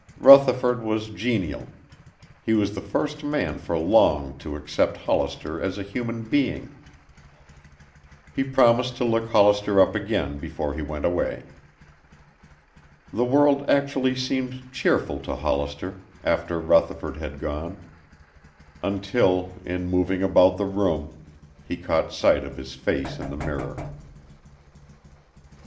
Rutherford was genial. He was the first man for long to accept Hollister as a human being. He promised to look Hollister up again before he went away. The world actually seemed cheerful to Hollister, after Rutherford had gone, until in moving about the room he caught sight of his face in the mirror.